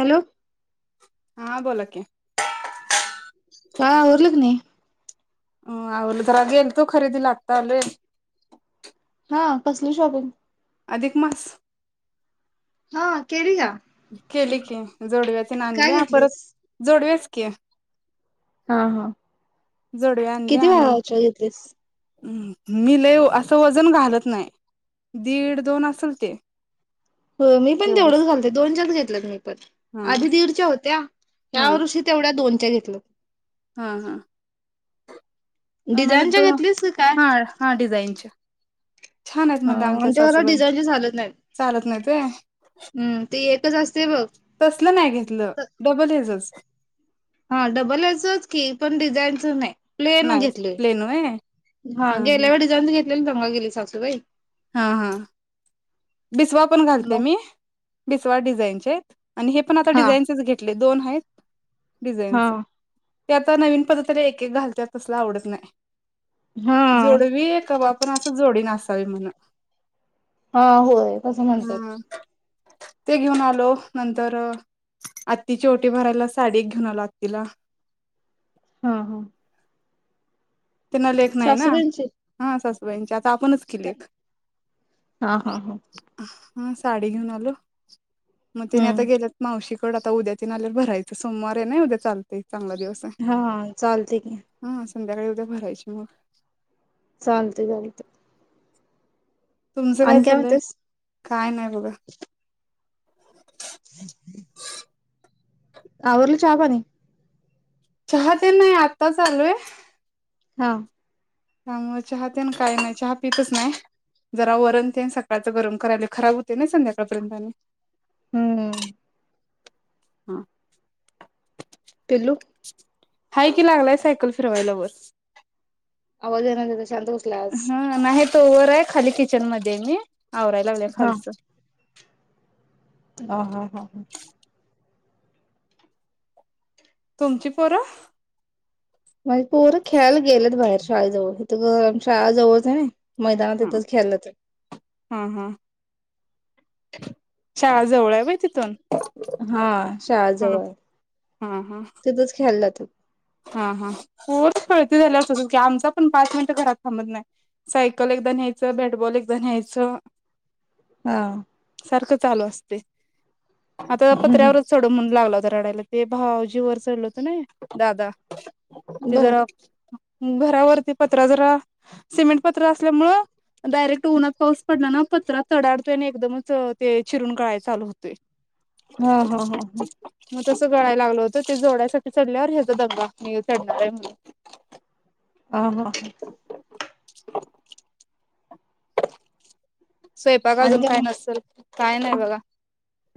Hello. हा बोला की. काय आवरलं की नाही? अ आवरलं जरा गेलतो खरेदीला आता आलोय. हा कसली शॉपिंग? अधिक मास. हा, केली का? केली की जोडव्यात काय घेतलीस? जोडवेच कं [unintelligible] हा हा आणल्या किती आणि भावाचे घेतलीस. मी लय असं वजन घालत नाही दीड दोन असेल ते हो मी पण तेवढच एवढंच घालते. दोनच्याच घेतले मी पण हा आधी दीडच्या होत त्या [unintelligible] ह्या वर्षी तेवढ्या दोन घेतलं. हा हा. म्हणजे डिझाईनच्या दोन घेतलीस की काय? हा हा डिझाईनचे. छान आहेत अ म्हणले आमच्या घरात सासूबाई डिझाईनचे चालत नाहीत. चालत नाही ते हम्म ते एकच असते बघ तसलं नाही घेतलं डबल हेजच हा डबल याचंच की पण डिझाईनच नाही. प्लेन नाही घेतली प्लेन व्हय हा गेल्या वेळी जाऊन घेत प्लेन मग गेली सासूबाई हा हा. बिसवा पण घालते मग मी बिसवा डिझाईनचे. आणि हे पण आता हा डिझाईनचे घेतले. दोन आहेत. हा डिझाइनच. ते आता नवीन पद्धतीने एक - एक घालत्या तसलं आवडत नाय. हा जोडवी ए का बा पण असं जोडी न अस ताई म्हन. हां होय तसं म्हणत्यात. ते घेऊन आलो नंतर अ आत्तीची ओटी भरायला साडी घेऊन आलो आत्तीला. ह ह. त्यांना लेक नाही आहे ना सासूबाईंची हा असस वेन च्यात [unintelligible] आपणच काय? लेक. हा हा हा हं साडी घेऊन आलो. म तिने आता हम्म गेलेत मावशीक पण आता उद्या ती नाल्याही भरायचं सोमवार हे ना उद्या चालतंय. चांगला दिवस आहे हा चालतंय की. हा संध्याकाळी ऊद्या भरायची मग. चालतंय चालतंय. तुमचं काय चाललंय? म्हणतेस काय नाय बघा. आवरलं चहापाणी? चहा काय नाय, आत्ताच आलोय. हां. त्यामुळे चहा तेन काय नाय, चहा पितंच नाय. जरा वरण तेन सकाळच गरम करायलोय, खराब हुतय ना संध्याकाळपर्यंत आणि. हम्म. हां. पिल्लू हाय की, लागलाय सायकल फिरवायला वर. आवाज येना त्याचा. शांंत बसलाय आज. हा नाही तो वर आहे, खाली किचनमध्ये आहे मी. आवराय लागल्या हा खालचं. हा हा हा तुमची पोरं? माझी पोरं खेळायला गेलेत बाहेर शाळेजवळ. इथं गम शाळा जवळच हाय नाय. मैदानाव तिथंच हा खेळायला जात्यात. हा शाळा जवळहाय व्हय तिथून? हा शाळा हा जवळ आहे, हा हा तिथंच खेळायला जात्यात. हा हा पोर तर कळती झाल्यावर तसंच की, आमचा पण पाच मिनट घरात थांबत नाय. सायकल एकदा न्यायचं, बॅटबॉल एकदा न्यायचं. हा. सारखं चालू असतंय. आता हा पत्र्यावरच चढव म्हणून लागला हो ता रडायला, ते भावजी वर चढलं होतं नाय. दादा ते बर जरा घरावरती पत्रा जरा सिमेंट पत्रा असल्यामुळं, डायरेक्ट उन्हात पाऊस पडला ना, पत्रा तडाडतोय आणि एकदमच ते चिरून गळाय चालू हुतोय. हा हा हा हा. तसं गळाय लागलं होतं, ते जोडण्यासाठी चढल्यावर हे चा दंगा, मी चढणार हाय म्हणून. आ हा. स्वयपाक आणि अजून मग काय नसल? काय नाय बघा.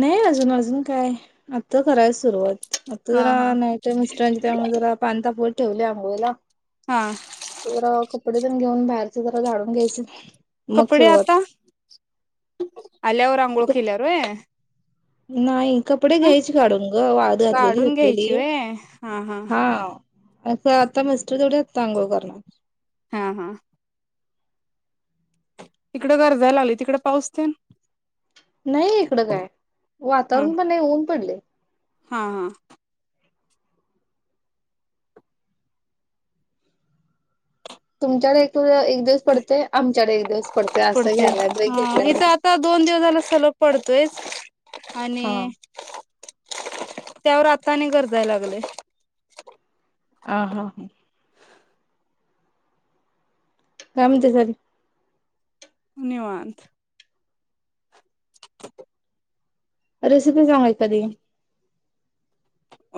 नाही अजून, अजून काय आता कराय सुरुवात. आता हा जरा हा नाईटाय मिस्टांची त्यामुळे जरा पाणी तापवू ठेवलय अंघोळीला. हा जरा कपडे तेन घेऊन बाहेर च जरा झाडून घ्यायचं. मग कपडे सुरुवात आता? आल्यावर आंघोळ केेल्यावर व्हय. नाही कपडे घ्यायच काढून ग वाळत घातलेली. काढून धुतलेली घ्यायची व्हय हा असं आता मिस्टर थोडी आत्ता आंघोळ करणार. हा हा इकडं गरजाय लागलय. तिकड पाऊस तेन? नाही इकडं काय. हा वातावरण पण नाही ऊन पडलय. हा हा तुमच्याकड एक तो एक दिवस पडतोय आमच्याकड एक दिवस पडतय. असं पडतोय घ्यालाय ब्रेक हा घेतलाय इथं वाटत आता दोन दिवस झाला सलग पडतोयच. आणि त्यावर आता आणि गरजाय लागलय. अ हा हा कामे तरी झाली. धन्यवाद रेसिपी सांगा एखादी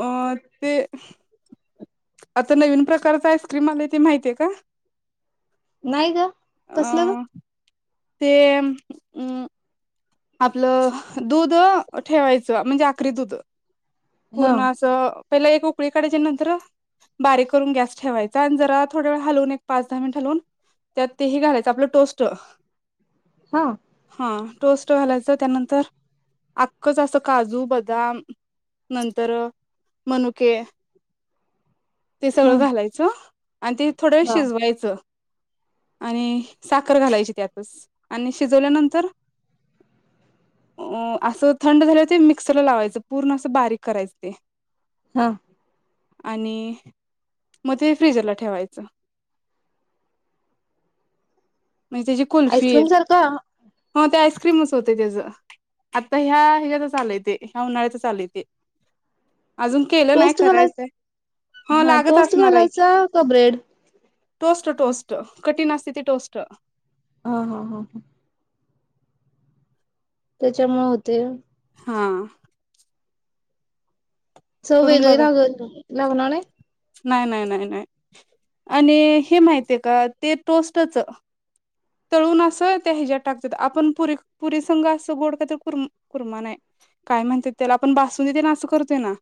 अ ते आता नवीन प्रकारचा आईस्क्रीम आलाय ते माहतीय का? नाही ग कसलं ग आह ते अ आपलं दूध ठेवायचं म्हणजे आकरी दुध हा पूर्ण असं पहिला एक उकळी काढायची नंतर बारीक करून गॅस ठेवायचा आणि जरा थोड वेळ हालून एक पाच दहा मिनिट हलवून त्यात ते हे घालायचं आपलं टोस्ट हा हा टोस्ट घालायचं त्यानंतर आख्खच असं काजू बदाम नंतर मनुके ते सगळं हम् घालायचं आणि ते थोडावेळ हा शिजवायचं आणि साखर घालायची त्यातच आणि शिजवल्यानंतर, अ असं थंड झालं होते मिक्सरला लावायचं पूर्ण असं बारीक करायचं ते हा आणि मग ते फ्रिजरला ठेवायचं. म्हणजे त्याची कुल्फी. आईस्क्रीम सारखा हा ते आयस क्रीमच होतय तेज आता ह्या हेज्यातच आलंय ते ह्या उन्हाळ्यात आलय ते. अजून केलं नाही टोस्ट घालायचा. करायचंय हा लागत टोस्ट असणार आहे की घालायचा का ब्रेड? टोस्ट टोस्ट कठीन असतय ते टोस्ट तर, हा हा हा हा त्याच्यामुळे होतय. हा, चव वेगळी लागल्या. लागणार नाही. नाय नाय नाय नाय, आणि हे माहितय का ते टोस्टच तळून अस त्या हेझ्यात टाकतात. आपण पुरी, पुरी संघ अस गोड कायतर कुर कुरमा नाही काय म्हणत्यात, त्याला आपण बासुंदी तेन असं करतोय ना.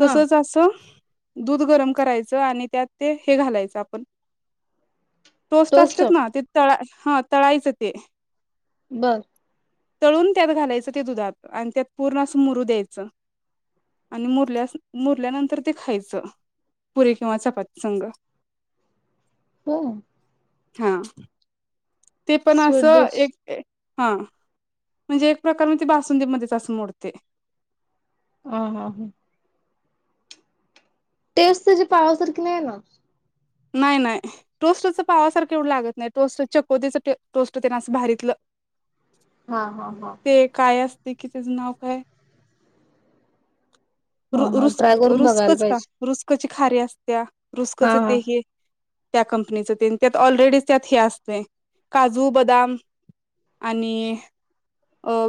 हा असं. दूध गरम करायचं आणि त्यात ते हे घालायचं आपण टोस्ट असतेत ना ते तळायच. हा तळायचं ते, बर, तळून त्यात घालायचं ते दुधात आणि त्यात पूर्ण असं मुरू द्यायचं आणि मुरल्या मुरल्यानंतर ते खायचं. पुरे किंवा चपाती संग. हो. हा, ते पण स्वीट असं डिश एक हा, म्हणजे एक प्रकार म ते बासुंदी मध्येच असं मोडतय. हा हा ह टेस्ट तेझी पावासारखी नाय येणार. नाय नाय टोस्टच पावासारखं एवढं लागत नाही, टोस्ट चकोतीच टोस्ट ते ना असं भारीतलं. हा हा हा, की तिचं नाव काय? हा हा रुस ट्राय करून बघायला रुसकच का पाहिजे रुसकची. खारी असते. त्या हा रुसकच. हा तेे हे, त्या कंपनीच ते त्यात ऑलरेडी त्यात हे असततय, काजू, बदाम आणि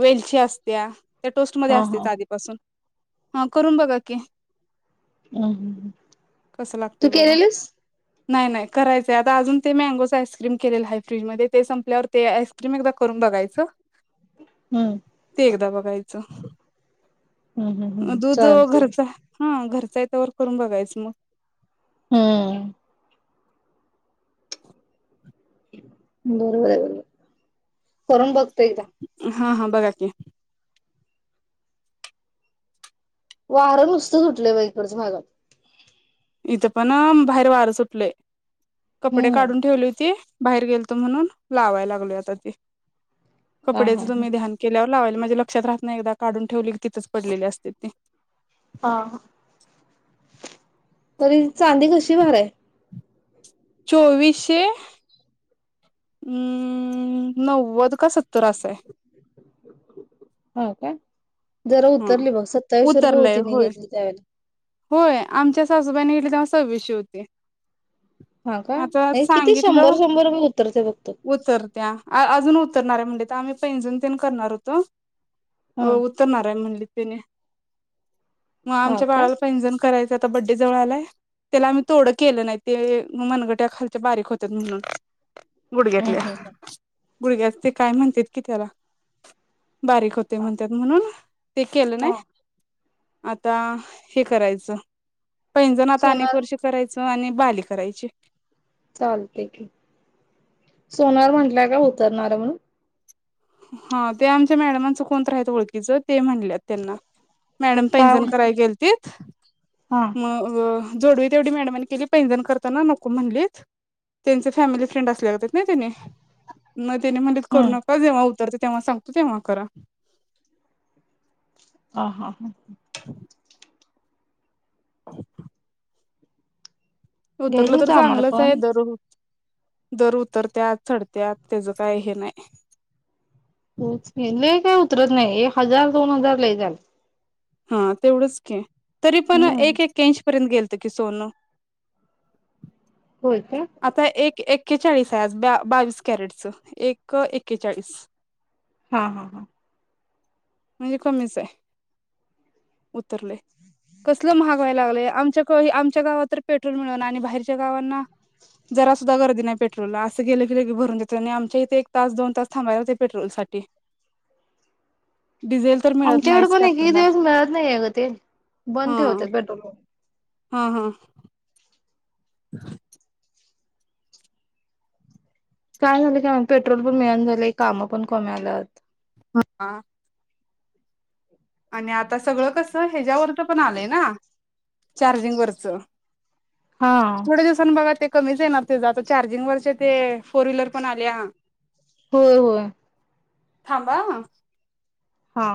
वेलची असत्या. त्या टोस्ट मध्ये हा असतय हा च आधीपासून, हा करून बघा की, हम्म, ह कसं तू लागते बघा केलेलस. नाही नाही, करायचंय आता अजून ते मॅगोच आईस्क्रीम केलेलं आहे. फ्रीज मध्ये ते संपल्यावर ते आईस्क्रीम एकदा करून बघायचं. हम्म ते एकदा बघायचं हम्म हम् हम् दुध चालते घरच आहे. च हाये तोवर करून बघायचं मगं. हम्म. बरोबर करूंन बघतो एकदा. हां हां बघा की. वार नुसतं सुटलंय बाई इकडच्या भागात. इथं पण अ भाहेर वार सुटलंय. कपडे हम्म काढून ठेवली होती. भाहेर गेलतोय म्हणून लावाया लागलो आता ते. हा हा कपड्याचई तुम्ही ध्यान केल्यावर लावल माझ्या लक्षात राहत नाई, एकदा काढून ठेवली तिथंच पडलेली असते ती. हां. [unintelligible] चांदी कशी भार हाय? चोवीसशे हम्म नव्वद का सत्तर अस हाय. होय काय? जरा हा उतरली बघ सत्तावीसशे रुपये उतरलंय होती. मी होय घेतली त्यावेळेला. होय आमच्या सासूबाईंनी घेतली तेव्हा सव्वीशे होती. हा काय नाही, किती शंभर शंभर रूपय उतरतय फक्त. उतरत्या अजून उतरणार आहे म्हणलेत आम्हीं पैजन तेन करणार होतो. अ हा उतरनार. म्हणलीत तेनी. म हा आमच्या का बाळाला पैजण? करायच आता बडडे जवळ आलाय. त्याला आम्ही तोड केलं नाहीत, ते मनगट्या खालच्या बारीक होत्यात म्हणून. हम्म गुडघ्यातल्या. हम्म हम्म गुडघ्यात ते काय म्हणतेत की त्याला. बारीक होते म्हणत्यात म्हणून. ते केल नाय? हा आता हे करायचं. पैंजण आता अनेक सोनार वर्षी करायचं. आणि बाली करायची. चालतेय की सोनार म्हंटला का उतरणार हाये म्हणून. हां ते आमच्या मॅडमाचं कोणतरी हायेत ओळखीचं. ते म्हणल्यात त्यांना मॅडम काय पैंजण म्हणत कराया गेलतेत हा मगं अ जोडवे तेवढी मॅडमांनी केली. पैंजण करतांना नको म्हणलेत. त्यांच फॅमिली फ्रेंड असल्या ते त ना त्यांनी मग त्याने म्हणले मदत हम्म करू नका जेव्हा हो तर ते तेव्हा सांगतो तेव्हा करा. हां हां हां. [unintelligible] घ्यायचं उतरलं तर होतं आम्हाला चांगलंच आहे पण दर दर उतरत्यात चढत्यात त्याचं काय हे नाही तेच की लई काय उतरत नाही हे हजार दोन हजार लई झालं. हा तेवढंच की तरी पण हम्म एक एक्यांशी पर्यंत गेलत कि सोनं होय का आता एक एक एकेचाळीस आहे आज बावीस कॅरेटच एक एकेचाळीस हा हा हा म्हणजे कमीच आहे उतरलय, कसलं महाग व्हाय लागलंय आमच्या हे आमच्या गावात तर पेट्रोल मिळना आणि बाहेरच्या गावांना जरा सुद्धा गर्दी नाही पेट्रोलला असं गेलं की लगे भरून देतोय आणि आमच्या इथं एक तास दोन तास थांबाय लागतंय पेट्रोलसाठी डिझेल तर मिळत आमच्याकडे नाहीच पण एकेक ट्रॅक्टरला दिवस मिळत नाहीये ग ते बंद हा ठेवतात पेट्रोल पंप हा हा [unintelligible] काय झालंय काय माहित पेट्रोल पण मिळना झालंय काम पण कमी आल्यात हा आणि आता सगळं कस पण ह्याच्यावरच पण आलय हा चार्जिंग वरच हा थोडे दिवसाने बघा ते कमीच येणार तेज आता चार्जिंग वरचं ते फोर व्हीलर पण आल्या होय होय थांबा हा